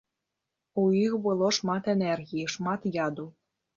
У іх было шмат энергіі, шмат яду.